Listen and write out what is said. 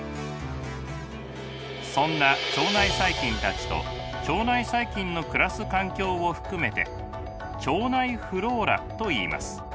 そんな腸内細菌たちと腸内細菌の暮らす環境を含めて腸内フローラといいます。